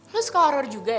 lo suka horror juga ya